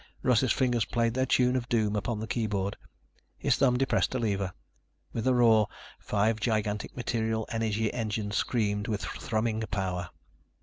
Russ's fingers played their tune of doom upon the keyboard. His thumb depressed a lever. With a roar five gigantic material energy engines screamed with thrumming power.